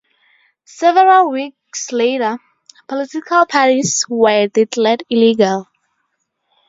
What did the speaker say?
Several weeks later, political parties were declared illegal.